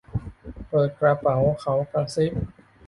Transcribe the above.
เปิดกระเป๋า ! เขากระซิบ